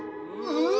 うわ！